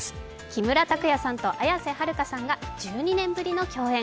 木村拓哉さんと綾瀬はるかさんが１２年ぶりに共演。